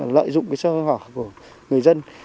lợi dụng cái sơ hỏa của người dân